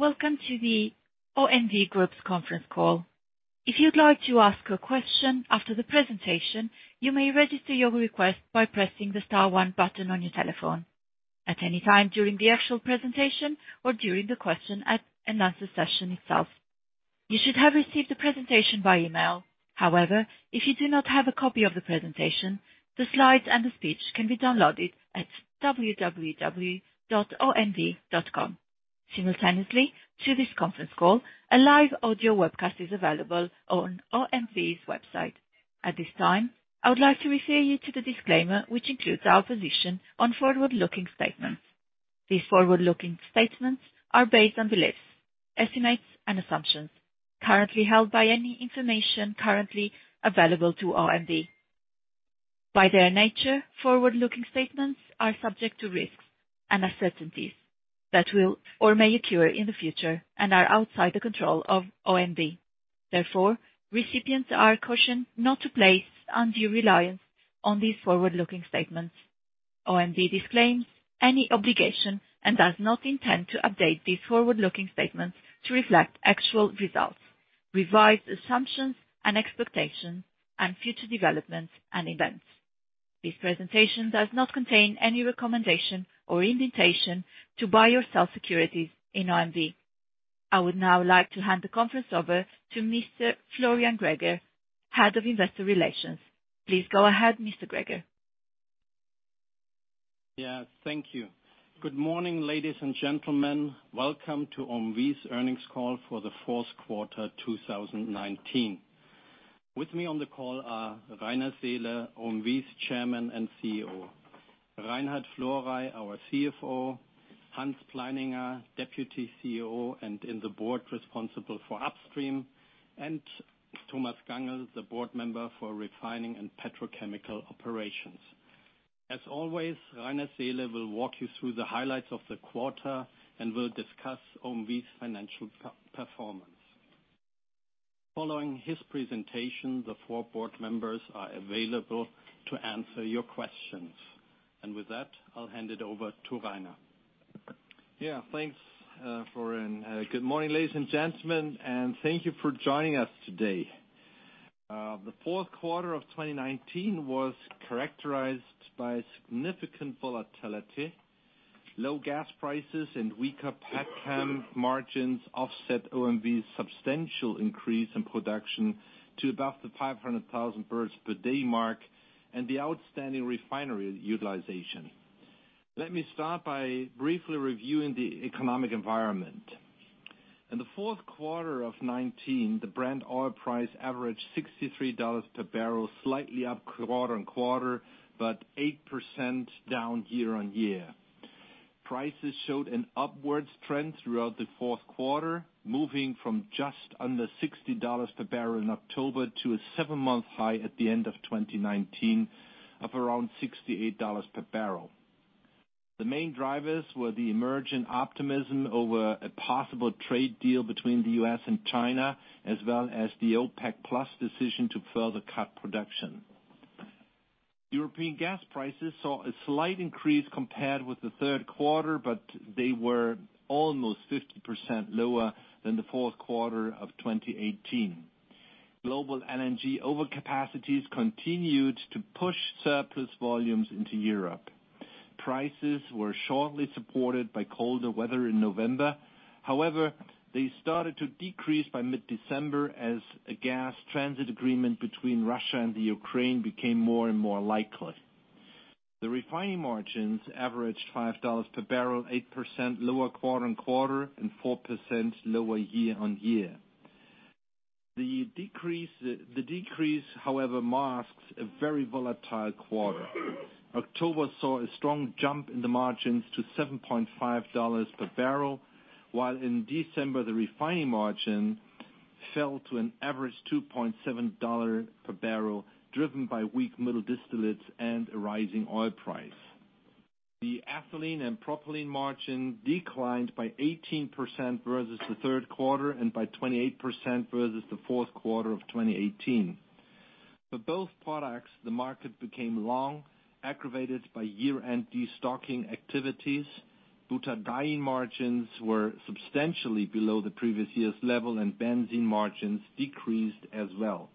Welcome to the OMV Group's conference call. If you'd like to ask a question after the presentation, you may register your request by pressing the star one button on your telephone at any time during the actual presentation or during the question and answer session itself. You should have received the presentation by email. However, if you do not have a copy of the presentation, the slides and the speech can be downloaded at www.omv.com. Simultaneously to this conference call, a live audio webcast is available on OMV's website. At this time, I would like to refer you to the disclaimer, which includes our position on forward-looking statements. These forward-looking statements are based on beliefs, estimates and assumptions currently held by any information currently available to OMV. By their nature, forward-looking statements are subject to risks and uncertainties that will or may occur in the future and are outside the control of OMV. Therefore, recipients are cautioned not to place undue reliance on these forward-looking statements. OMV disclaims any obligation and does not intend to update these forward-looking statements to reflect actual results, revised assumptions and expectations, and future developments and events. This presentation does not contain any recommendation or invitation to buy or sell securities in OMV. I would now like to hand the conference over to Mr. Florian Greger, Head of Investor Relations. Please go ahead, Mr. Greger. Yeah, thank you. Good morning, ladies and gentlemen. Welcome to OMV's earnings call for the Q4 2019. With me on the call are Rainer Seele, OMV's Chairman and CEO; Reinhard Florey, our CFO; Johann Pleininger, Deputy CEO and in the Board responsible for Upstream; and Thomas Gangl, the Board Member for Refining and Petrochemical Operations. As always, Rainer Seele will walk you through the highlights of the quarter and will discuss OMV's financial performance. Following his presentation, the four board members are available to answer your questions. With that, I'll hand it over to Rainer. Yeah, thanks, Florian. Good morning, ladies and gentlemen, and thank you for joining us today. The Q4 of 2019 was characterized by significant volatility. Low gas prices and weaker petchem margins offset OMV's substantial increase in production to above the 500,000 bpd mark and the outstanding refinery utilization. Let me start by briefly reviewing the economic environment. In the Q4 of 2019, the Brent oil price averaged $63 per barrel, slightly up quarter-on-quarter, but 8% down year-on-year. Prices showed an upwards trend throughout Q4, moving from just under $60 per barrel in October to a seven-month high at the end of 2019 of around $68 per barrel. The main drivers were the emergent optimism over a possible trade deal between the U.S. and China, as well as the OPEC+ decision to further cut production. European gas prices saw a slight increase compared with the Q3, but they were almost 50% lower than the Q4 of 2018. Global LNG overcapacities continued to push surplus volumes into Europe. Prices were shortly supported by colder weather in November. However, they started to decrease by mid-December as a gas transit agreement between Russia and Ukraine became more and more likely. The refining margins averaged $5 per barrel, 8% lower quarter-over-quarter, and 4% lower year-over-year. The decrease, however, masks a very volatile quarter. October saw a strong jump in the margins to $7.50 per barrel, while in December the refining margin fell to an average $2.70 per barrel, driven by weak middle distillates and a rising oil price. The ethylene and propylene margin declined by 18% versus the Q3 and by 28% versus the Q4 of 2018. For both products, the market became long, aggravated by year-end destocking activities. Butadiene margins were substantially below the previous year's level, and benzene margins decreased as well.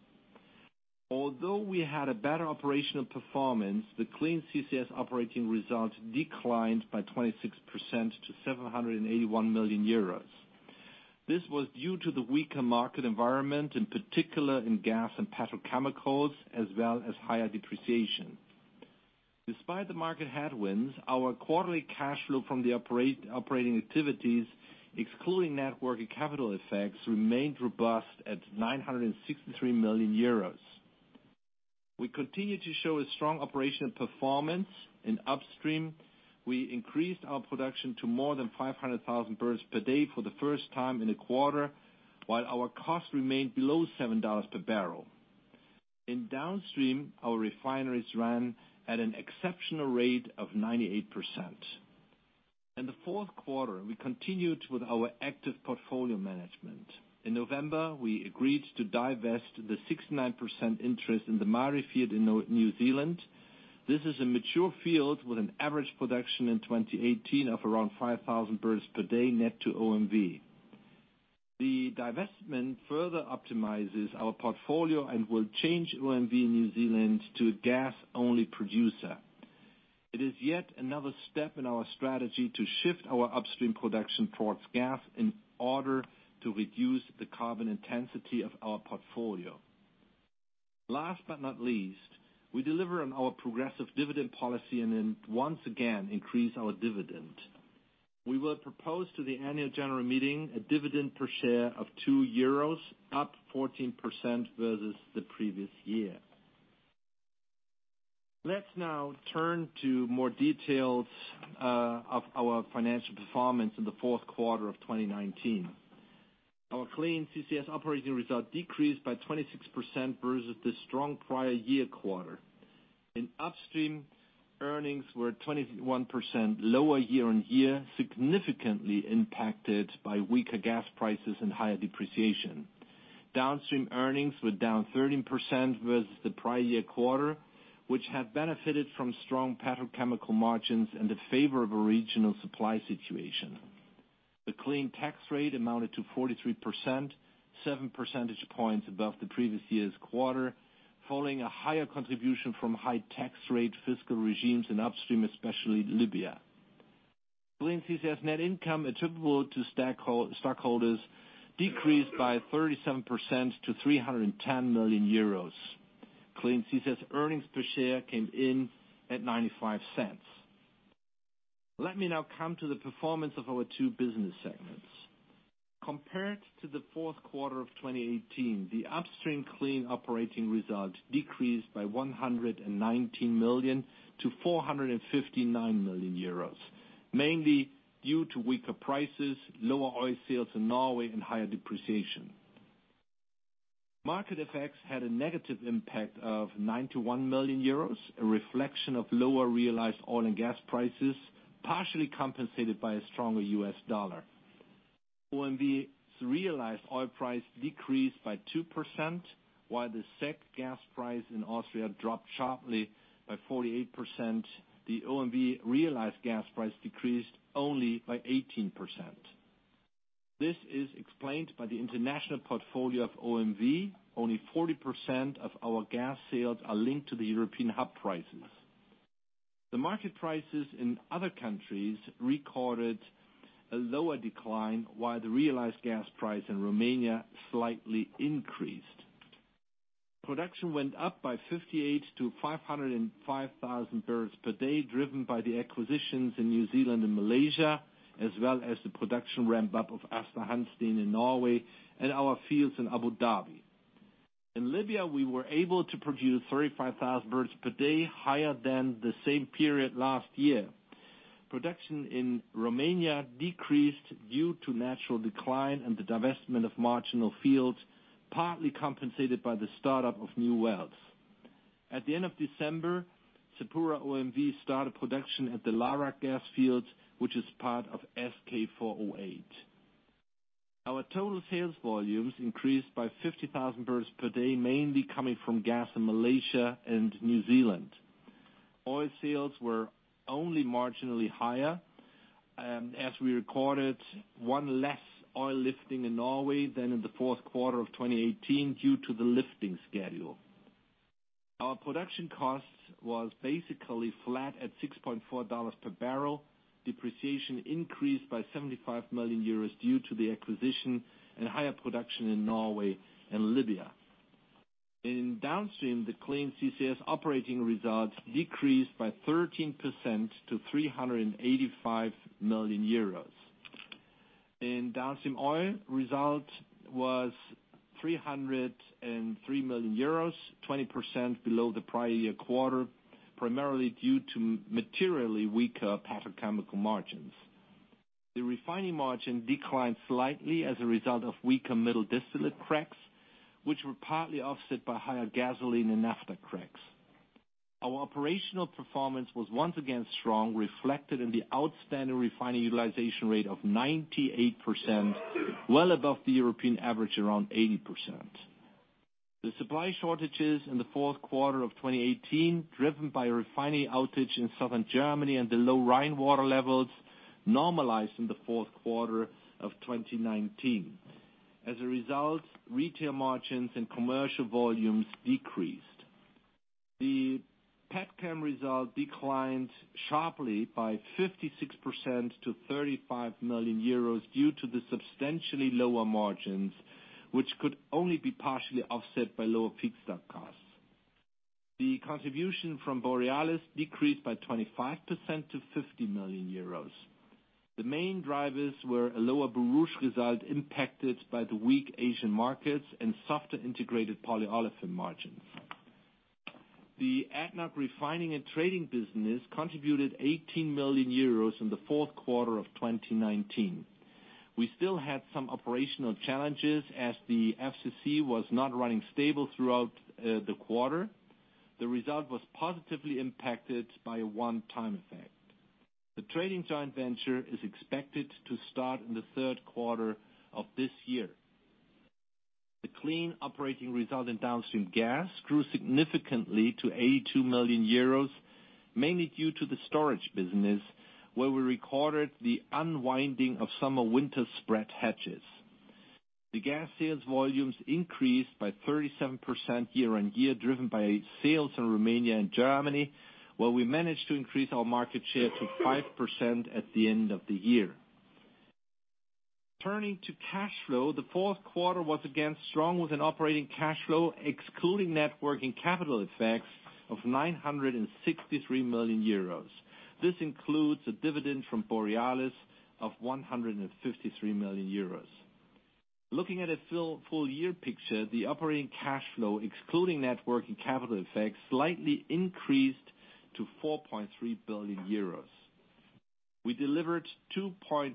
Although we had a better operational performance, the Clean CCS operating results declined by 26% to 781 million euros. This was due to the weaker market environment, in particular in gas and petrochemicals, as well as higher depreciation. Despite the market headwinds, our quarterly cash flow from the operating activities, excluding net working capital effects, remained robust at 963 million euros. We continue to show a strong operational performance. In upstream, we increased our production to more than 500,000 bpd for the first time in a quarter, while our cost remained below $7 per barrel. In downstream, our refineries ran at an exceptional rate of 98%. In the Q4, we continued with our active portfolio management. In November, we agreed to divest the 69% interest in the Maari field in New Zealand. This is a mature field with an average production in 2018 of around 5,000 bpd net to OMV. The divestment further optimizes our portfolio and will change OMV New Zealand to a gas-only producer. It is yet another step in our strategy to shift our upstream production towards gas in order to reduce the carbon intensity of our portfolio. Last but not least, we deliver on our progressive dividend policy and then once again increase our dividend. We will propose to the annual general meeting a dividend per share of 2 euros, up 14% versus the previous year. Let's now turn to more details of our financial performance in the Q4 of 2019. Our Clean CCS operating result decreased by 26% versus the strong prior year quarter. In Upstream, earnings were 21% lower year-on-year, significantly impacted by weaker gas prices and higher depreciation. Downstream earnings were down 13% versus the prior year quarter, which had benefited from strong petrochemical margins and the favorable regional supply situation. The Clean tax rate amounted to 43%, 7 percentage points above the previous year's quarter, following a higher contribution from high tax rate fiscal regimes in Upstream, especially Libya. Clean CCS net income attributable to stockholders decreased by 37% to 310 million euros. Clean CCS earnings per share came in at 0.95. Let me now come to the performance of our two business segments. Compared to the Q4 of 2018, the Upstream Clean operating result decreased by 119 million to 459 million euros, mainly due to weaker prices, lower oil sales in Norway, and higher depreciation. Market effects had a negative impact of 91 million euros, a reflection of lower realized oil and gas prices, partially compensated by a stronger U.S. dollar. OMV's realized oil price decreased by 2%, while the CEGH gas price in Austria dropped sharply by 48%, the OMV realized gas price decreased only by 18%. This is explained by the international portfolio of OMV. Only 40% of our gas sales are linked to the European hub prices. The market prices in other countries recorded a lower decline while the realized gas price in Romania slightly increased. Production went up by 58 to 505,000 bpd, driven by the acquisitions in New Zealand and Malaysia, as well as the production ramp-up of Aasta Hansteen in Norway and our fields in Abu Dhabi. In Libya, we were able to produce 35,000 bpd higher than the same period last year. Production in Romania decreased due to natural decline and the divestment of marginal fields, partly compensated by the start-up of new wells. At the end of December, SapuraOMV started production at the Larak gas field, which is part of SK408. Our total sales volumes increased by 50,000 bpd, mainly coming from gas in Malaysia and New Zealand. Oil sales were only marginally higher, as we recorded one less oil lifting in Norway than in the fourth quarter of 2018 due to the lifting schedule. Our production cost was basically flat at $6.4 per barrel. Depreciation increased by 75 million euros due to the acquisition and higher production in Norway and Libya. In Downstream, the Clean CCS operating results decreased by 13% to 385 million euros. In Downstream Oil, result was 303 million euros, 20% below the prior year quarter, primarily due to materially weaker petrochemical margins. The refining margin declined slightly as a result of weaker middle distillate cracks, which were partly offset by higher gasoline and naphtha cracks. Our operational performance was once again strong, reflected in the outstanding refinery utilization rate of 98%, well above the European average, around 80%. The supply shortages in the Q4 of 2018, driven by a refinery outage in southern Germany and the low Rhine water levels, normalized in the Q4 of 2019. As a result, retail margins and commercial volumes decreased. The petchem result declined sharply by 56% to 35 million euros due to the substantially lower margins, which could only be partially offset by lower feedstock costs. The contribution from Borealis decreased by 25% to 50 million euros. The main drivers were a lower Borouge result impacted by the weak Asian markets and softer integrated polyolefin margins. The ADNOC refining and trading business contributed 18 million euros in the Q4 of 2019. We still had some operational challenges as the FCC was not running stable throughout the quarter. The result was positively impacted by a one-time effect. The trading joint venture is expected to start in the Q3 of this year. The clean operating result in downstream gas grew significantly to 82 million euros, mainly due to the storage business, where we recorded the unwinding of summer-winter spread hedges. The gas sales volumes increased by 37% year-on-year, driven by sales in Romania and Germany, where we managed to increase our market share to 5% at the end of the year. Turning to cash flow, the Q4 was again strong, with an operating cash flow excluding net working capital effects of 963 million euros. This includes a dividend from Borealis of 153 million euros. Looking at a full year picture, the operating cash flow, excluding net working capital effects, slightly increased to 4.3 billion euros. We delivered 2.1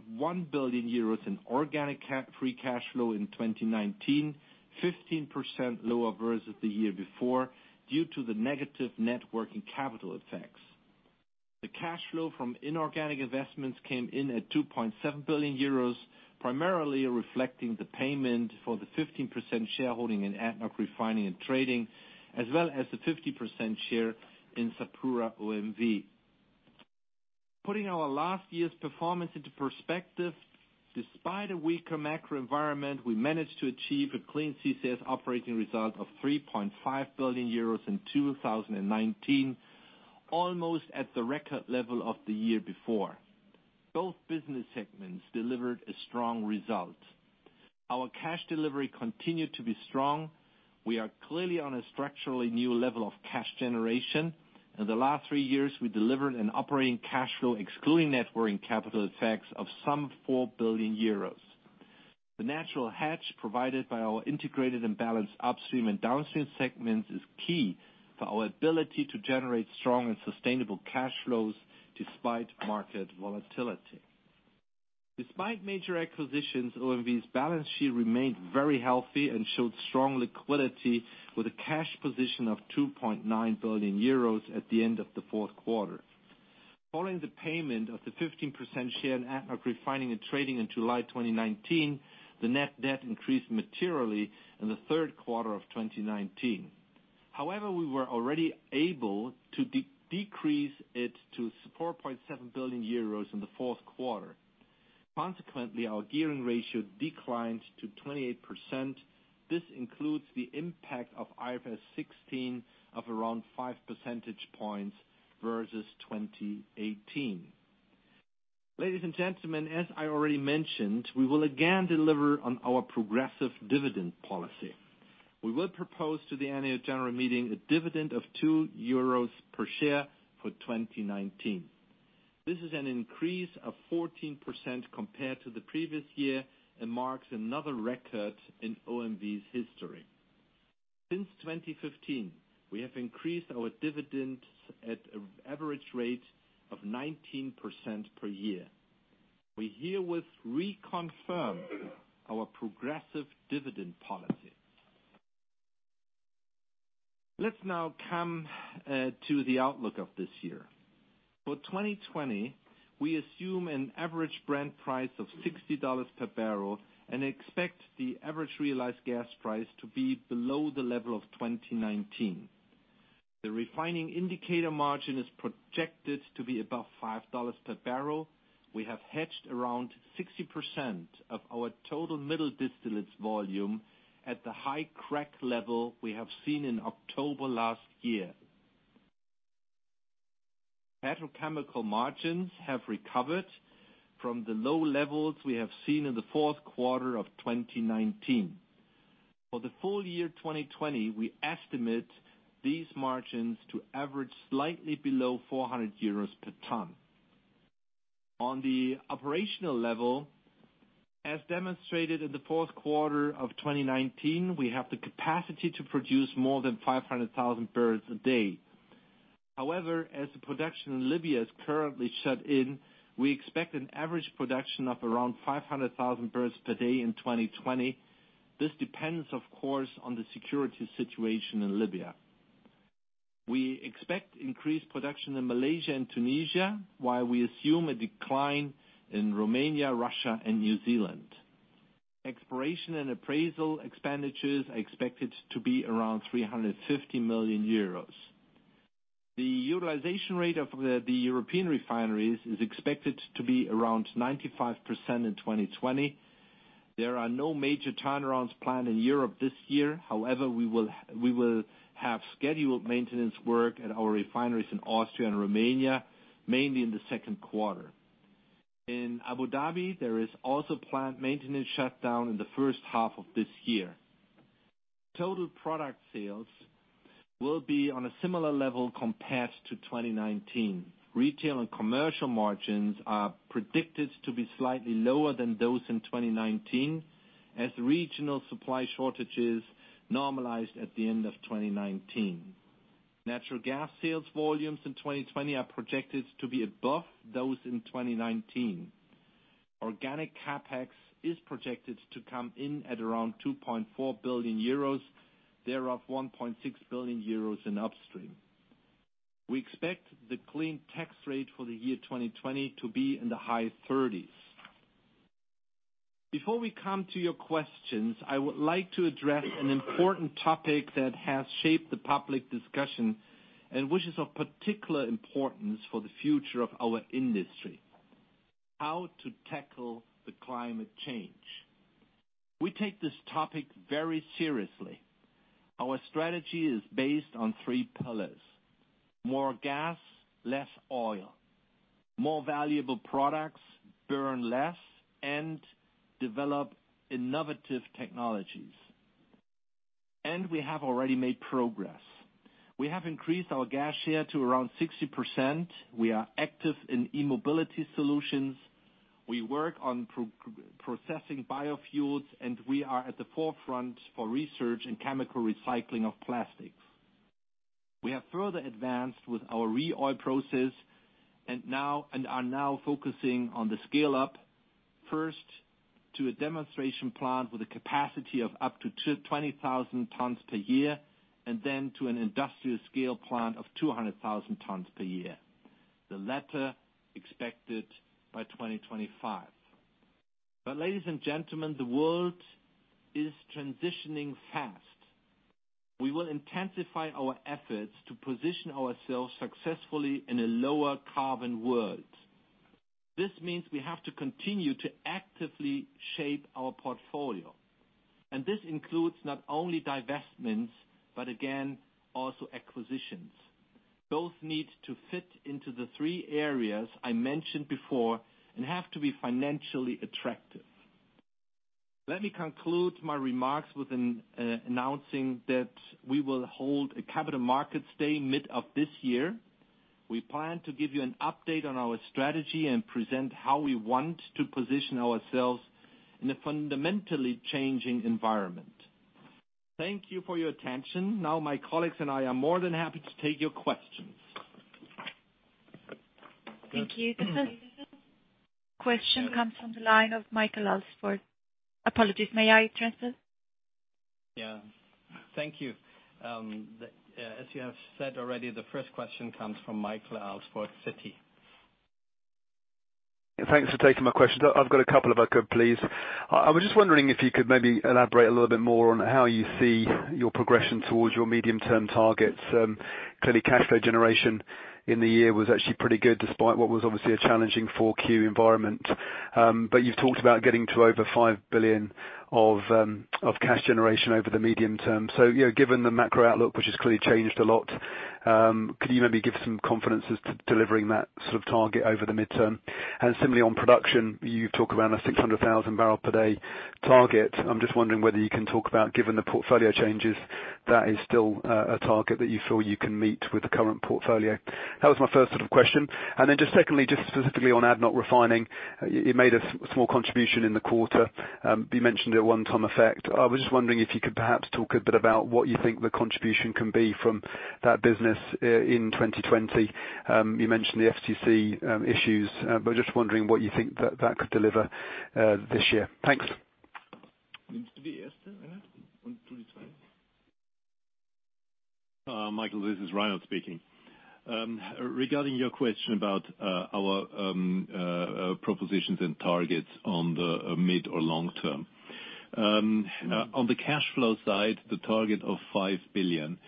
billion euros in organic CapEx free cash flow in 2019, 15% lower versus the year before, due to the negative net working capital effects. The cash flow from inorganic investments came in at 2.7 billion euros, primarily reflecting the payment for the 15% shareholding in ADNOC Refining and Trading, as well as the 50% share in SapuraOMV. Putting our last year's performance into perspective, despite a weaker macro environment, we managed to achieve a Clean CCS operating result of 3.5 billion euros in 2019, almost at the record level of the year before. Both business segments delivered a strong result. Our cash delivery continued to be strong. We are clearly on a structurally new level of cash generation. In the last three years, we delivered an operating cash flow, excluding net working capital effects, of some 4 billion euros. The natural hedge provided by our integrated and balanced Upstream and Downstream segments is key for our ability to generate strong and sustainable cash flows despite market volatility. Despite major acquisitions, OMV's balance sheet remained very healthy and showed strong liquidity with a cash position of 2.9 billion euros at the end of the Q4. Following the payment of the 15% share in ADNOC Refining and Trading in July 2019, the net debt increased materially in the Q3 of 2019. However, we were already able to decrease it to 4.7 billion euros in the Q4. Consequently, our gearing ratio declined to 28%. This includes the impact of IFRS 16 of around 5 percentage points versus 2018. Ladies and gentlemen, as I already mentioned, we will again deliver on our progressive dividend policy. We will propose to the annual general meeting a dividend of 2 euros per share for 2019. This is an increase of 14% compared to the previous year and marks another record in OMV's history. Since 2015, we have increased our dividends at an average rate of 19% per year. We herewith reconfirm our progressive dividend policy. Let's now come to the outlook of this year. For 2020, we assume an average Brent price of $60 per barrel and expect the average realized gas price to be below the level of 2019. The refining indicator margin is projected to be above $5 per barrel. We have hedged around 60% of our total middle distillates volume at the high crack level we have seen in October last year. Petrochemical margins have recovered from the low levels we have seen in the Q4 of 2019. For the full year 2020, we estimate these margins to average slightly below 400 euros per ton. On the operational level, as demonstrated in the Q4 of 2019, we have the capacity to produce more than 500,000 bpd. However, as the production in Libya is currently shut in, we expect an average production of around 500,000 bpd in 2020. This depends, of course, on the security situation in Libya. We expect increased production in Malaysia and Tunisia, while we assume a decline in Romania, Russia, and New Zealand. Exploration and appraisal expenditures are expected to be around 350 million euros. The utilization rate of the European refineries is expected to be around 95% in 2020. There are no major turnarounds planned in Europe this year. However, we will have scheduled maintenance work at our refineries in Austria and Romania, mainly in the Q2. In Abu Dhabi, there is also planned maintenance shutdown in the first half of this year. Total product sales will be on a similar level compared to 2019. Retail and commercial margins are predicted to be slightly lower than those in 2019, as regional supply shortages normalized at the end of 2019. Natural gas sales volumes in 2020 are projected to be above those in 2019. Organic CapEx is projected to come in at around 2.4 billion euros, thereof 1.6 billion euros in upstream. We expect the clean tax rate for the year 2020 to be in the high 30s. Before we come to your questions, I would like to address an important topic that has shaped the public discussion, and which is of particular importance for the future of our industry. How to tackle the climate change. We take this topic very seriously. Our strategy is based on three pillars. More gas, less oil. More valuable products, burn less and develop innovative technologies. We have already made progress. We have increased our gas share to around 60%. We are active in e-mobility solutions. We work on processing biofuels, and we are at the forefront for research in chemical recycling of plastics. We have further advanced with our ReOil process and are now focusing on the scale-up, first to a demonstration plant with a capacity of up to 20,000 tons per year, and then to an industrial scale plant of 200,000 tons per year. The latter expected by 2025. Ladies and gentlemen, the world is transitioning fast. We will intensify our efforts to position ourselves successfully in a lower carbon world. This means we have to continue to actively shape our portfolio. This includes not only divestments, but again, also acquisitions. Both need to fit into the three areas I mentioned before and have to be financially attractive. Let me conclude my remarks with announcing that we will hold a Capital Markets Day mid of this year. We plan to give you an update on our strategy and present how we want to position ourselves in a fundamentally changing environment. Thank you for your attention. Now my colleagues and I are more than happy to take your questions. Thank you. The first question comes from the line of Michael Alsford. Apologies. May I transfer? Yeah. Thank you. As you have said already, the first question comes from Michael Alsford, Citi. Thanks for taking my question. I've got a couple if I could, please. I was just wondering if you could maybe elaborate a little bit more on how you see your progression towards your medium-term targets. Clearly cash flow generation in the year was actually pretty good, despite what was obviously a challenging Q4 environment. You've talked about getting to over 5 billion of cash generation over the medium term. Given the macro outlook, which has clearly changed a lot, could you maybe give some confidence as to delivering that target over the medium term? Similarly, on production, you talk about a 600,000 bpd target. I'm just wondering whether you can talk about, given the portfolio changes, that is still a target that you feel you can meet with the current portfolio. That was my first question. Just secondly, just specifically on ADNOC Refining, it made a small contribution in the quarter. You mentioned a one-time effect. I was just wondering if you could perhaps talk a bit about what you think the contribution can be from that business in 2020. You mentioned the FCC issues. Just wondering what you think that could deliver this year. Thanks. Michael, this is Reinhard speaking. Regarding your question about our propositions and targets on the mid or long term. On the cash flow side, the target of 5 billion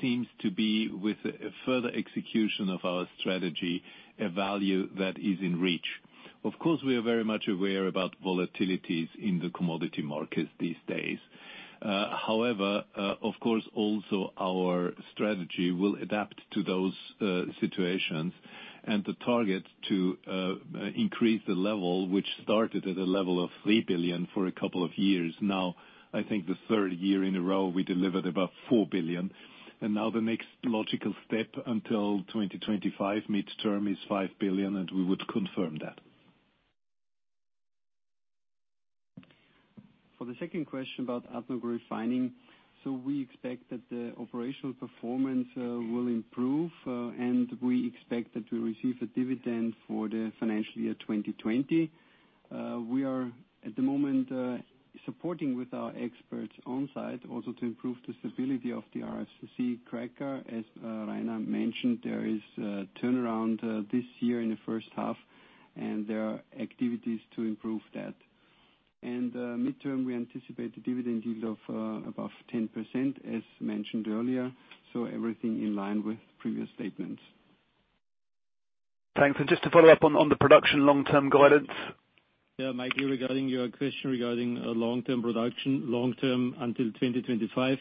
seems to be, with further execution of our strategy, a value that is in reach. We are very much aware about volatilities in the commodity markets these days. Of course, also our strategy will adapt to those situations and the target to increase the level, which started at a level of 3 billion for a couple of years now. I think the third year in a row, we delivered about 4 billion. Now the next logical step until 2025 midterm is 5 billion. We would confirm that. For the second question about ADNOC Refining, we expect that the operational performance will improve, and we expect that we receive a dividend for the financial year 2020. We are at the moment supporting with our experts on-site also to improve the stability of the RFCC cracker. As Rainer mentioned, there is a turnaround this year in the H1, and there are activities to improve that. Midterm, we anticipate a dividend yield of above 10%, as mentioned earlier. Everything in line with previous statements. Thanks. Just to follow up on the production long-term guidance. Michael, regarding your question regarding long-term production, long term until 2025.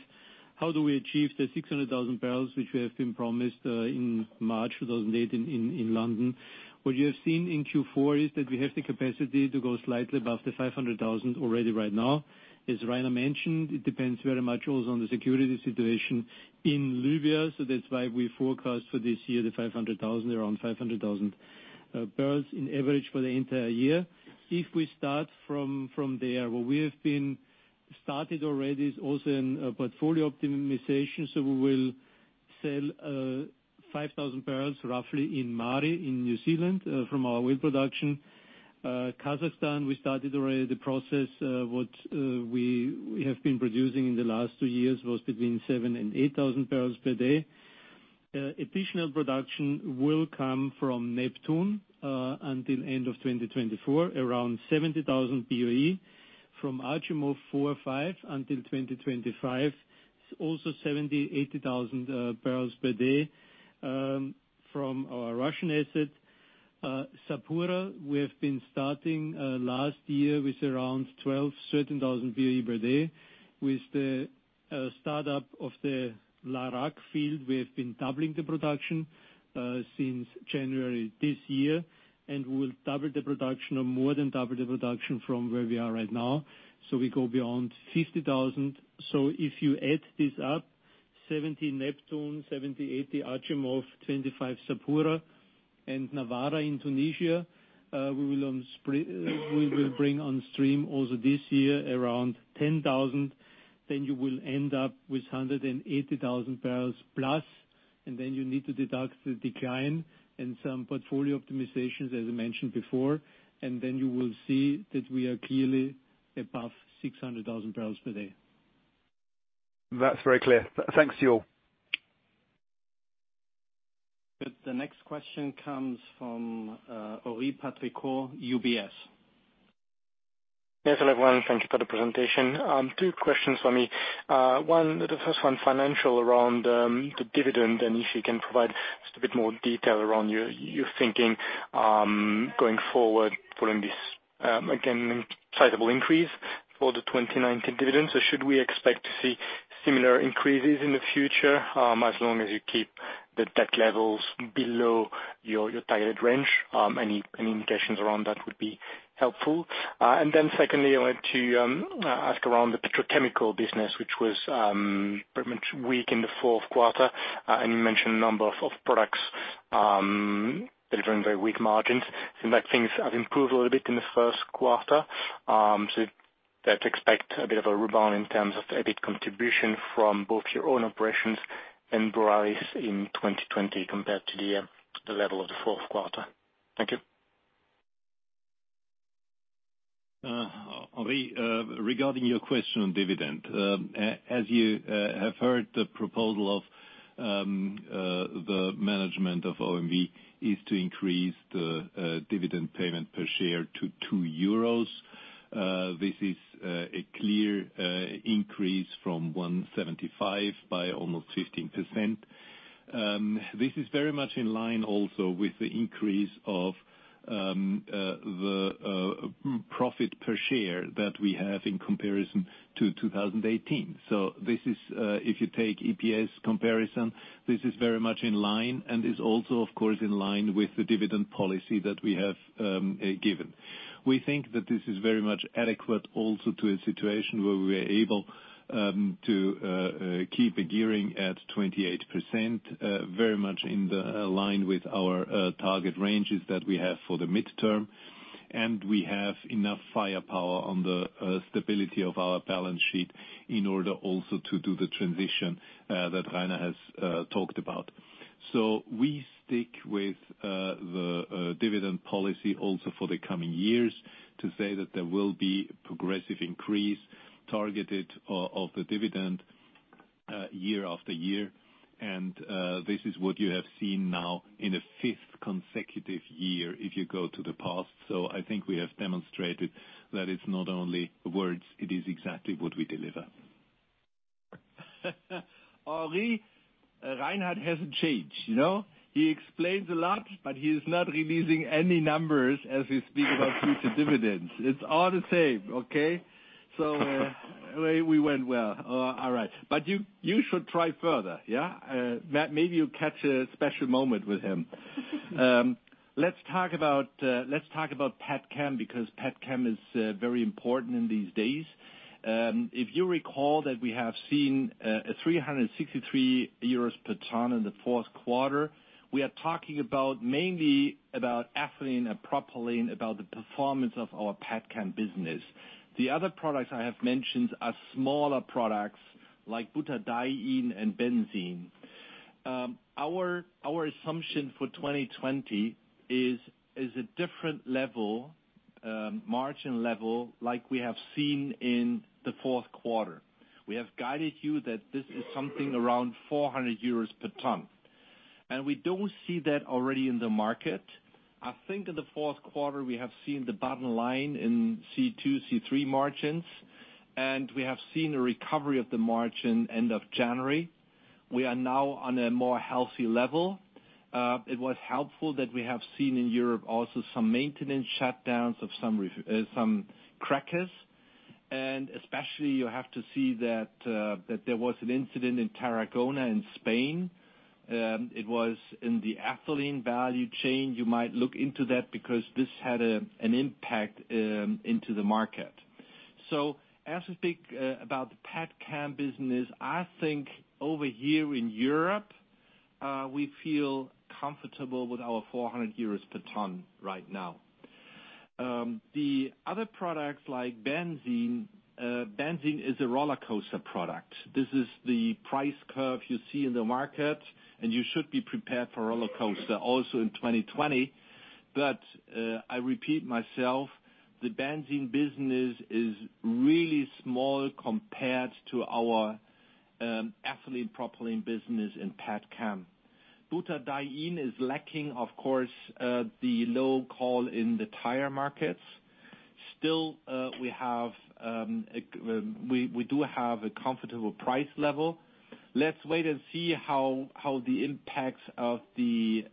How do we achieve the 600,000 bbl, which we have been promised in March 2018 in London? What you have seen in Q4 is that we have the capacity to go slightly above the 500,000 bbl already right now. As Rainer mentioned, it depends very much also on the security situation in Libya. That's why we forecast for this year around 500,000 bbl in average for the entire year. If we start from there, what we have been started already is also in portfolio optimization. We will sell 5,000 bbl roughly in Maari in New Zealand from our oil production Kazakhstan, we started already the process. What we have been producing in the last two years was between 7,000 bpd and 8,000 bpd. Additional production will come from Neptun Deep, until end of 2024, around 70,000 BOE. From Achimov 4, 5 until 2025, it's also 70,000 bpd, 80,000 bpd. From our Russian asset, Sapura, we have been starting last year with around 12,000 BOE, 13,000 BOE per day. With the startup of the Larak field, we have been doubling the production since January this year, and we'll double the production or more than double the production from where we are right now. We go beyond 50,000. If you add this up, 70 Neptun Deep, 70, 80 Achimov, 25 Sapura, and Nawara in Tunisia, we will bring on stream also this year around 10,000. You will end up with 180,000 bbl plus, and then you need to deduct the decline and some portfolio optimizations as I mentioned before. You will see that we are clearly above 600,000 bpd. That's very clear. Thanks to you all. Good. The next question comes from Henri Patricot, UBS. Yes, hello, everyone. Thank you for the presentation. Two questions from me. The first one, financial, around the dividend and if you can provide just a bit more detail around your thinking, going forward following this again, sizable increase for the 2019 dividend. Should we expect to see similar increases in the future, as long as you keep the debt levels below your targeted range? Any indications around that would be helpful. Secondly, I wanted to ask around the petrochemical business, which was pretty much weak in the Q4, and you mentioned a number of products delivering very weak margins. Seem like things have improved a little bit in Q1, let's expect a bit of a rebound in terms of EBIT contribution from both your own operations and Borealis in 2020 compared to the level of Q4. Thank you. Henri, regarding your question on dividend. As you have heard, the proposal of the management of OMV is to increase the dividend payment per share to 2 euros. This is a clear increase from 1.75 by almost 15%. This is very much in line also with the increase of the profit per share that we have in comparison to 2018. If you take EPS comparison, this is very much in line and is also, of course, in line with the dividend policy that we have given. We think that this is very much adequate also to a situation where we are able to keep a gearing at 28%, very much in the line with our target ranges that we have for the midterm, and we have enough firepower on the stability of our balance sheet in order also to do the transition that Rainer has talked about. We stick with the dividend policy also for the coming years, to say that there will be progressive increase targeted of the dividend year-after-year. This is what you have seen now in a fifth consecutive year if you go to the past. I think we have demonstrated that it's not only words, it is exactly what we deliver. Henri, Reinhard hasn't changed. He explains a lot, he is not releasing any numbers as he speaks about future dividends. It's all the same, okay? We went well. All right. You should try further, yeah? Maybe you catch a special moment with him. Let's talk about petchem because petchem is very important in these days. If you recall that we have seen 363 euros per ton in the fourth quarter, we are talking mainly about ethylene and propylene, about the performance of our petchem business. The other products I have mentioned are smaller products like butadiene and benzene. Our assumption for 2020 is a different margin level like we have seen in the Q4. We have guided you that this is something around 400 euros per ton, and we don't see that already in the market. I think in the Q4, we have seen the bottom line in C2, C3 margins, and we have seen a recovery of the margin end of January. We are now on a more healthy level. It was helpful that we have seen in Europe also some maintenance shutdowns of some crackers, and especially you have to see that there was an incident in Tarragona in Spain. It was in the ethylene value chain. You might look into that because this had an impact into the market. As we speak about the petchem business, I think over here in Europe, we feel comfortable with our 400 euros per ton right now. The other products like benzene. Benzene is a rollercoaster product. This is the price curve you see in the market, and you should be prepared for rollercoaster also in 2020. I repeat myself, the benzene business is really small compared to our ethylene propylene business in pet chem. Butadiene is lacking, of course, the low call in the tire markets. Still, we do have a comfortable price level. Let's wait and see how the impacts of the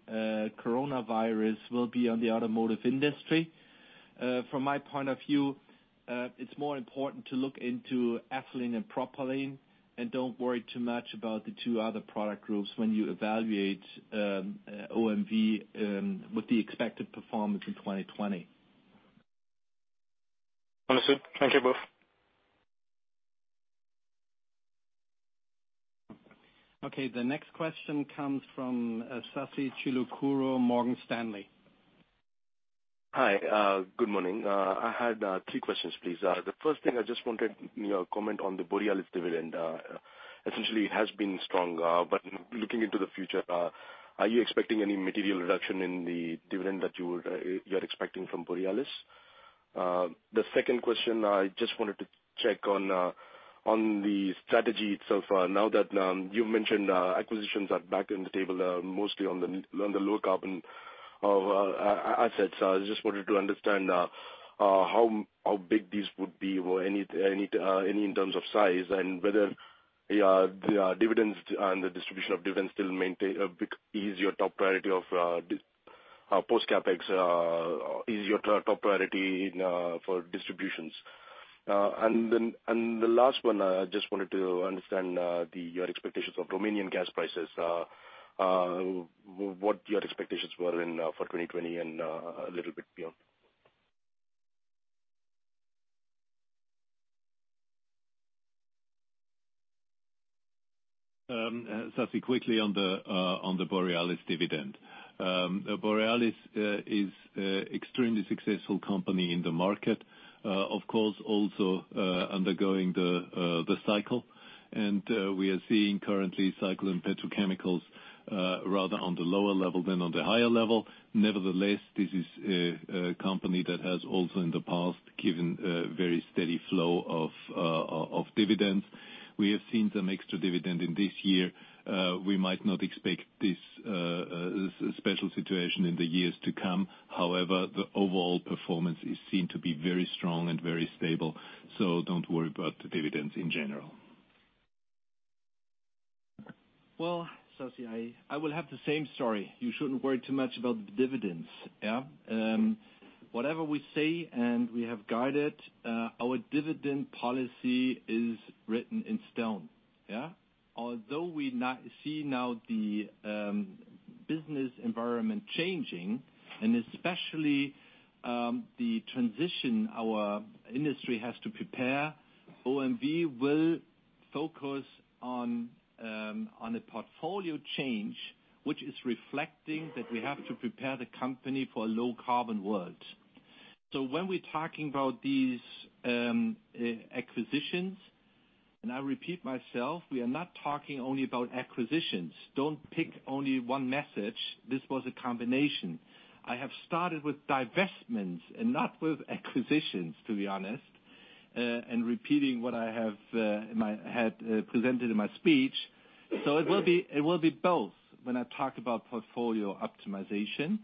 coronavirus will be on the automotive industry. From my point of view, it's more important to look into ethylene and propylene, and don't worry too much about the two other product groups when you evaluate OMV, with the expected performance in 2020. Understood. Thank you both. Okay. The next question comes from Sasikanth Chilukuru, Morgan Stanley. Hi. Good morning. I had three questions, please. The first thing I just wanted your comment on the Borealis dividend. Essentially, it has been strong, but looking into the future, are you expecting any material reduction in the dividend that you're expecting from Borealis? The second question, I just wanted to check on the strategy itself. Now that you mentioned acquisitions are back on the table, mostly on the low carbon assets. I just wanted to understand how big these would be, or any in terms of size, and whether the dividends and the distribution of dividends still is your top priority of post CapEx, is your top priority for distributions. The last one, I just wanted to understand your expectations of Romanian gas prices. What your expectations were for 2020 and a little bit beyond. Sasi, quickly on the Borealis dividend. Borealis is extremely successful company in the market. Of course, also undergoing the cycle. We are seeing currently cycle and petrochemicals rather on the lower level than on the higher level. Nevertheless, this is a company that has also in the past given a very steady flow of dividends. We have seen some extra dividend in this year. We might not expect this special situation in the years to come. However, the overall performance is seen to be very strong and very stable. Don't worry about the dividends in general. Well, Sasi, I will have the same story. You shouldn't worry too much about the dividends. Whatever we say, and we have guided, our dividend policy is written in stone. Although we now see now the business environment changing, and especially the transition our industry has to prepare, OMV will focus on a portfolio change, which is reflecting that we have to prepare the company for a low-carbon world. When we're talking about these acquisitions, and I repeat myself, we are not talking only about acquisitions. Don't pick only one message. This was a combination. I have started with divestments and not with acquisitions, to be honest, and repeating what I had presented in my speech. It will be both when I talk about portfolio optimization.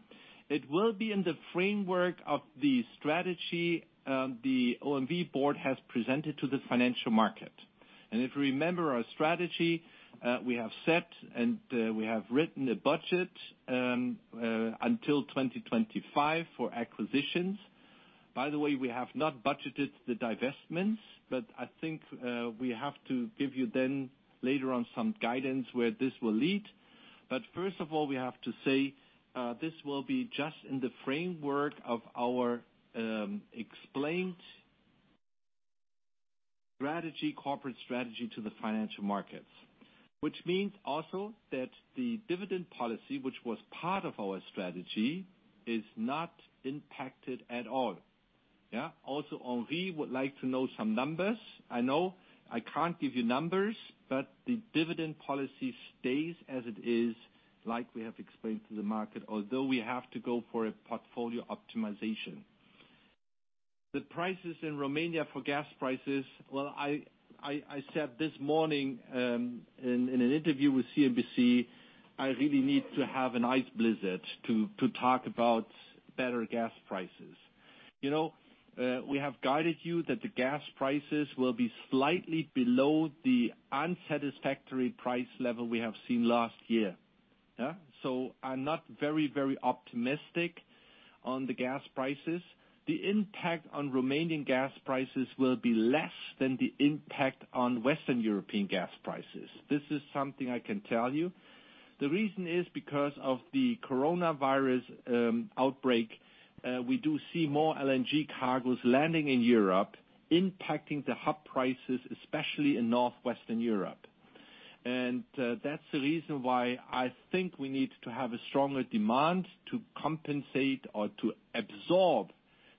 It will be in the framework of the strategy the OMV board has presented to the financial market. If you remember our strategy, we have set and we have written a budget until 2025 for acquisitions. By the way, we have not budgeted the divestments, but I think we have to give you then later on some guidance where this will lead. First of all, we have to say this will be just in the framework of our explained corporate strategy to the financial markets. Which means also that the dividend policy, which was part of our strategy, is not impacted at all. Also, Henri would like to know some numbers. I know I can't give you numbers, but the dividend policy stays as it is like we have explained to the market, although we have to go for a portfolio optimization. The prices in Romania for gas prices. Well, I said this morning in an interview with CNBC, I really need to have an ice blizzard to talk about better gas prices. We have guided you that the gas prices will be slightly below the unsatisfactory price level we have seen last year. I'm not very optimistic on the gas prices. The impact on Romanian gas prices will be less than the impact on Western European gas prices. This is something I can tell you. The reason is because of the coronavirus outbreak, we do see more LNG cargos landing in Europe impacting the hub prices, especially in Northwestern Europe. That's the reason why I think we need to have a stronger demand to compensate or to absorb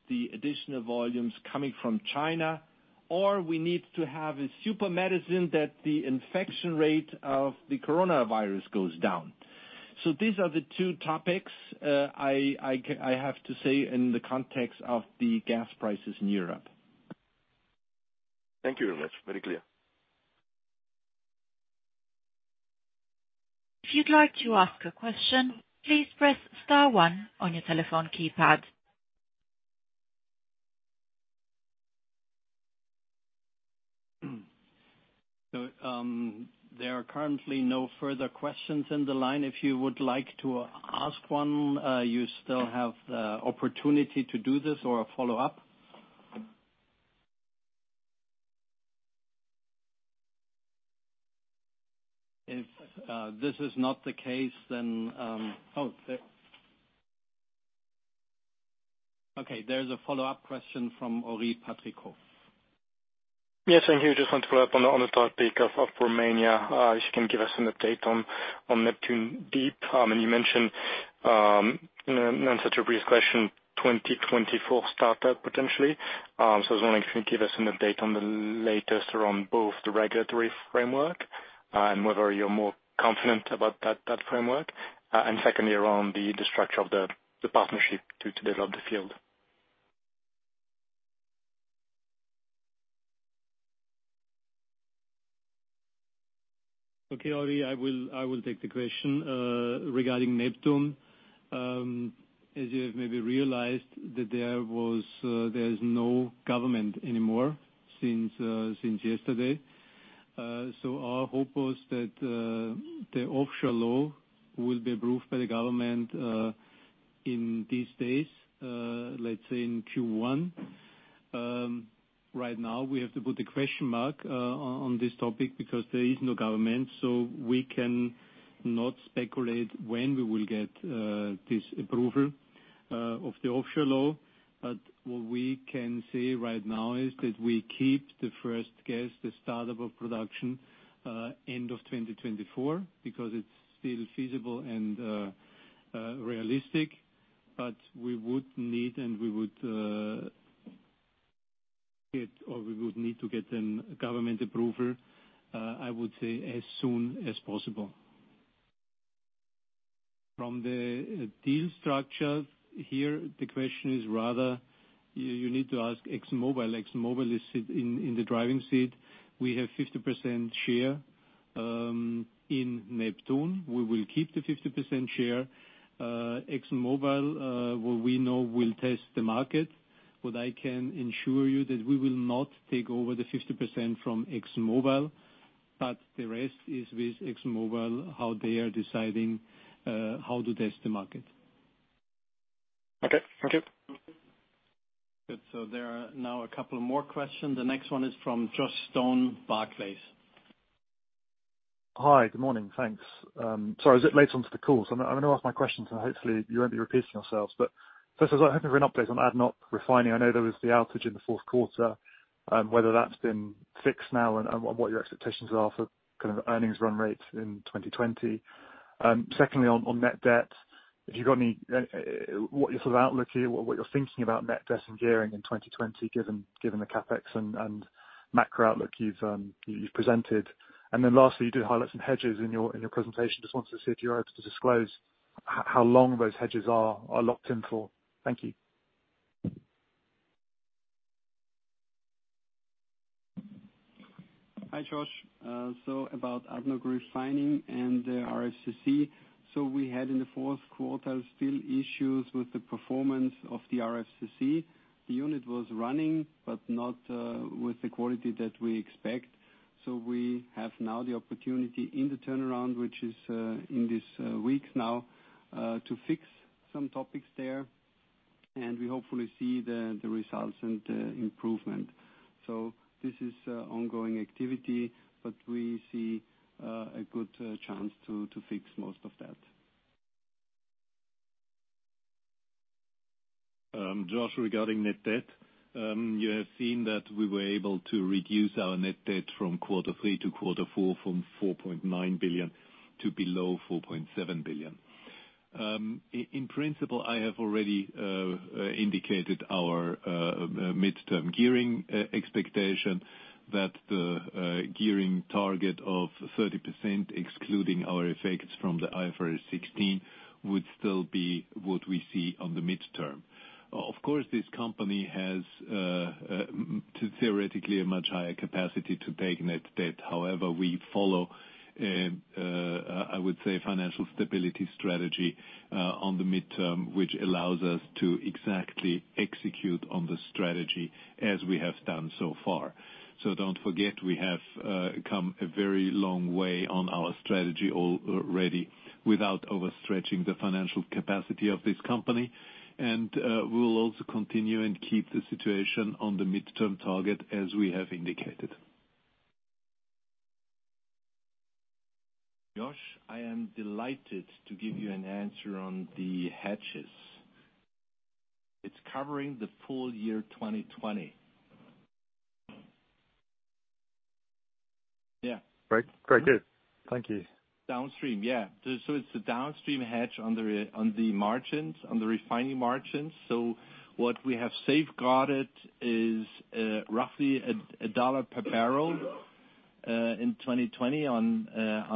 the additional volumes coming from China, or we need to have a super medicine that the infection rate of the coronavirus goes down. These are the two topics I have to say in the context of the gas prices in Europe. Thank you very much. Very clear. If you'd like to ask a question, please press star one on your telephone keypad. There are currently no further questions in the line. If you would like to ask one, you still have the opportunity to do this or a follow-up. If this is not the case, oh, there. Okay. There's a follow-up question from Henri Patricot. Yes, thank you. Just want to follow up on the topic of Romania. If you can give us an update on Neptun Deep. You mentioned, in answer to a previous question, 2024 startup potentially. I was wondering if you can give us an update on the latest around both the regulatory framework and whether you're more confident about that framework. Secondly, around the structure of the partnership to develop the field. Okay, Henri, I will take the question. Regarding Neptun Deep, as you have maybe realized that there's no government anymore since yesterday. Our hope was that the offshore law will be approved by the government, in these days, let's say in Q1. Right now we have to put a question mark on this topic because there is no government, so we cannot speculate when we will get this approval of the offshore law. What we can say right now is that we keep the first gas, the startup of production, end of 2024, because it's still feasible and realistic. We would need and we would get, or we would need to get government approval, I would say, as soon as possible. From the deal structure here, the question is rather, you need to ask ExxonMobil. ExxonMobil is sitting in the driving seat. We have 50% share in Neptun. We will keep the 50% share. ExxonMobil, what we know, will test the market. What I can ensure you that we will not take over the 50% from ExxonMobil, but the rest is with ExxonMobil, how they are deciding how to test the market. Okay. Thank you Good. There are now a couple more questions. The next one is from Joshua Stone, Barclays. Hi. Good morning. Thanks. Sorry I was a bit late onto the call, so I'm going to ask my questions and hopefully you won't be repeating yourselves. First, I was hoping for an update on ADNOC Refining. I know there was the outage in the Q4, whether that's been fixed now and what your expectations are for kind of earnings run rates in 2020. Secondly, on net debt, if you've got any outlook here, what you're thinking about net debt and gearing in 2020, given the CapEx and macro outlook you've presented. Lastly, you did highlight some hedges in your presentation. Just wanted to see if you are able to disclose how long those hedges are locked in for. Thank you. Hi, Joshua Stone. About ADNOC Refining and the RFCC. We had in the Q4 still issues with the performance of the RFCC. The unit was running, but not with the quality that we expect. We have now the opportunity in the turnaround, which is in this week now, to fix some topics there, and we hopefully see the results and improvement. This is ongoing activity, but we see a good chance to fix most of that. Joshua, regarding net debt, you have seen that we were able to reduce our net debt from Q3 to Q4, from 4.9 billion to below 4.7 billion. In principle, I have already indicated our midterm gearing expectation that the gearing target of 30%, excluding our effects from the IFRS 16, would still be what we see on the midterm. Of course, this company has theoretically a much higher capacity to take net debt. However, we follow, I would say, financial stability strategy on the midterm, which allows us to exactly execute on the strategy as we have done so far. Don't forget, we have come a very long way on our strategy already without overstretching the financial capacity of this company. We will also continue and keep the situation on the midterm target as we have indicated. Josh, I am delighted to give you an answer on the hedges. It's covering the full year 2020. Yeah. Great. Thank you. Downstream. It's the downstream hedge on the refining margins. What we have safeguarded is roughly $1 per barrel in 2020 on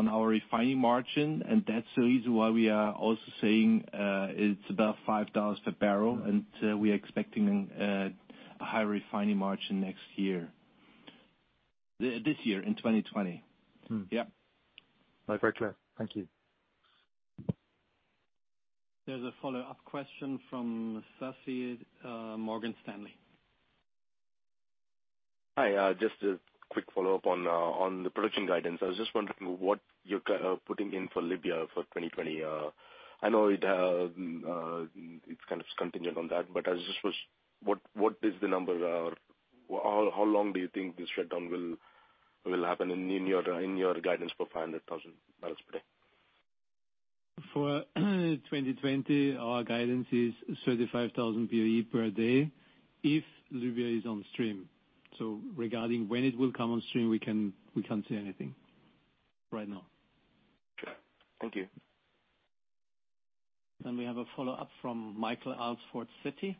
our refining margin. That's the reason why we are also saying it's about $5 per barrel. We are expecting a higher refining margin this year, in 2020. No, very clear. Thank you. There's a follow-up question from Sasikanth, Morgan Stanley. Hi. Just a quick follow-up on the production guidance. I was just wondering what you're putting in for Libya for 2020. I know it's kind of contingent on that, what is the number? How long do you think the shutdown will happen in your guidance for 500,000 bpd? For 2020, our guidance is 35,000 BOE per day, if Libya is on stream. Regarding when it will come on stream, we can't say anything right now. Okay. Thank you. We have a follow-up from Michael Alsford, Citi.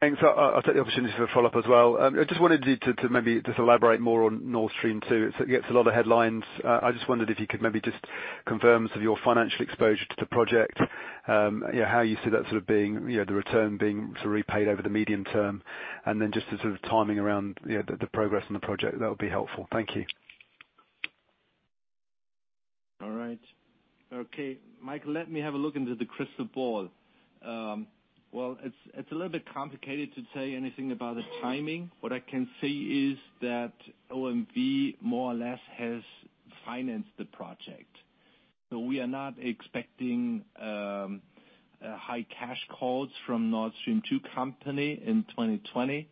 Thanks. I'll take the opportunity for a follow-up as well. I just wanted you to maybe just elaborate more on Nord Stream 2. It gets a lot of headlines. I just wondered if you could maybe just confirm your financial exposure to the project. How you see the return being sort of repaid over the medium term, and then just the sort of timing around the progress on the project, that would be helpful. Thank you. All right. Okay, Michael, let me have a look into the crystal ball. Well, it's a little bit complicated to say anything about the timing. What I can say is that OMV more or less has financed the project. We are not expecting high cash calls from Nord Stream 2 company in 2020.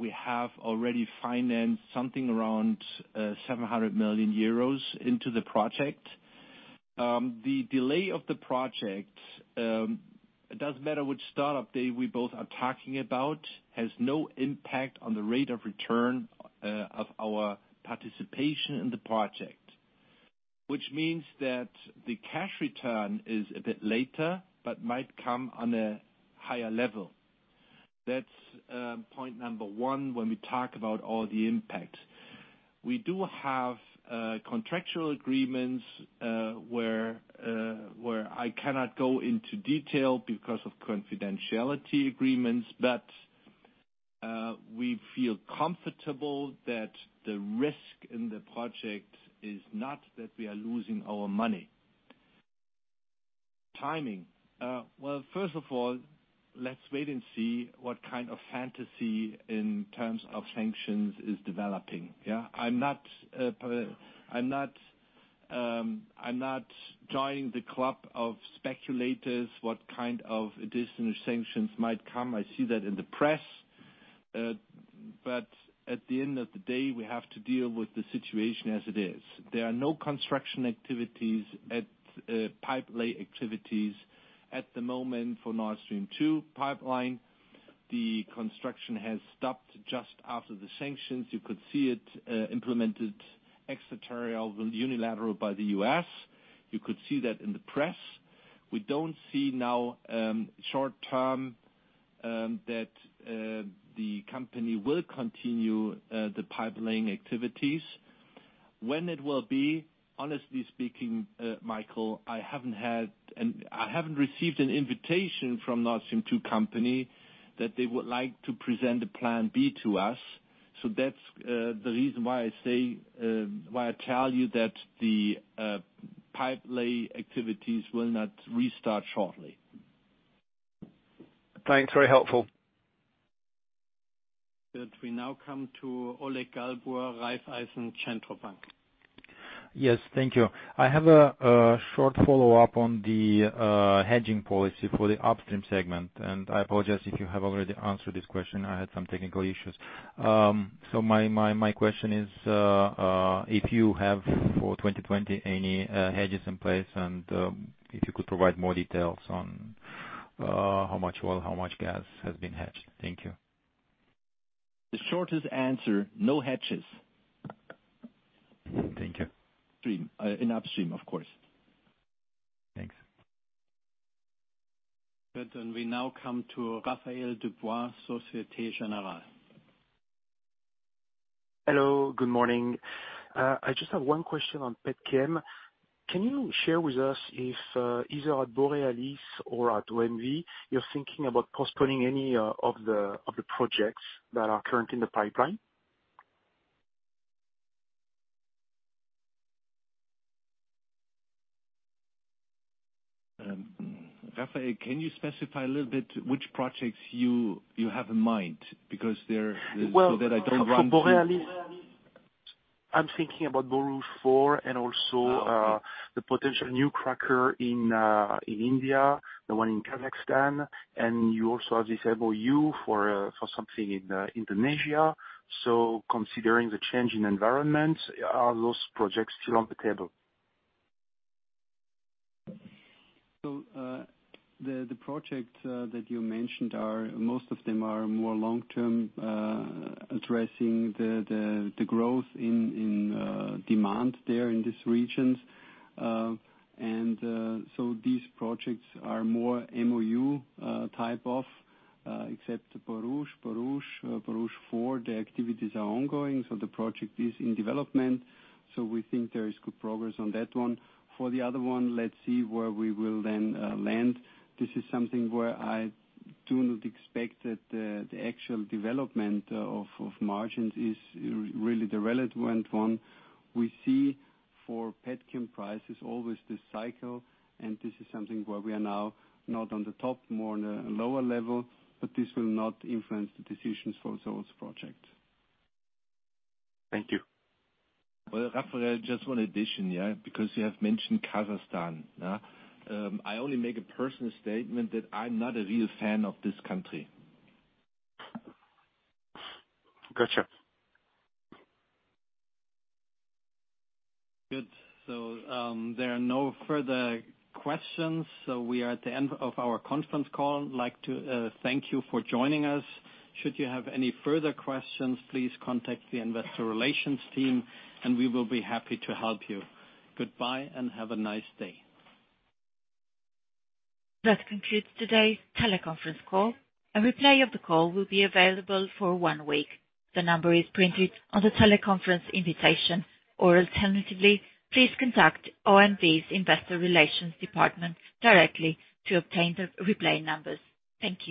We have already financed something around 700 million euros into the project. The delay of the project, it doesn't matter which startup date we both are talking about, has no impact on the rate of return of our participation in the project. Which means that the cash return is a bit later but might come on a higher level. That's point number 1 when we talk about all the impact. We do have contractual agreements, where I cannot go into detail because of confidentiality agreements, but we feel comfortable that the risk in the project is not that we are losing our money. Timing. Well, first of all, let's wait and see what kind of fantasy in terms of sanctions is developing. Yeah. I'm not joining the club of speculators, what kind of additional sanctions might come. I see that in the press. At the end of the day, we have to deal with the situation as it is. There are no construction activities at pipe-lay activities at the moment for Nord Stream 2 pipeline. The construction has stopped just after the sanctions. You could see it implemented ex-territorial, unilateral by the U.S. You could see that in the press. We don't see now, short-term, that the company will continue the pipe-laying activities. When it will be, honestly speaking, Michael, I haven't received an invitation from Nord Stream 2 company that they would like to present a plan B to us. That's the reason why I tell you that the pipe lay activities will not restart shortly. Thanks. Very helpful. Good. We now come to Oleg Galbur, Raiffeisen Centrobank. Yes. Thank you. I have a short follow-up on the hedging policy for the Upstream segment, and I apologize if you have already answered this question, I had some technical issues. My question is, if you have, for 2020, any hedges in place and if you could provide more details on how much oil, how much gas has been hedged. Thank you. The shortest answer, no hedges. Thank you In Upstream, of course. Thanks. Good. We now come to Raphaël Dubois, Societe Generale. Hello. Good morning. I just have one question on petchem. Can you share with us if, either at Borealis or at OMV, you're thinking about postponing any of the projects that are current in the pipeline? Raphaël, can you specify a little bit which projects you have in mind? So that I don't run. Well, from Borealis, I'm thinking about Borouge 4 and also- Okay the potential new cracker in India, the one in Kazakhstan, and you also have this MOU for something in Indonesia, considering the change in environment, are those projects still on the table? The project that you mentioned, most of them are more long-term, addressing the growth in demand there in these regions. These projects are more MOU type of, except Borouge. Borouge 4, the activities are ongoing, so the project is in development. We think there is good progress on that one. For the other one, let's see where we will then land. This is something where I do not expect that the actual development of margins is really the relevant one. We see for petchem prices, always this cycle, and this is something where we are now not on the top, more on a lower level. This will not influence the decisions for those projects. Thank you. Well, Raphaël, just one addition, yeah, because you have mentioned Kazakhstan. I only make a personal statement that I'm not a real fan of this country. Gotcha. Good. There are no further questions, so we are at the end of our conference call. We'd like to thank you for joining us. Should you have any further questions, please contact the Investor Relations team and we will be happy to help you. Goodbye and have a nice day. That concludes today's teleconference call. A replay of the call will be available for one week. The number is printed on the teleconference invitation. Alternatively, please contact OMV's investor relations department directly to obtain the replay numbers. Thank you.